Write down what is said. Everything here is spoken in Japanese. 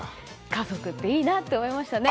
家族っていいなと思いましたね。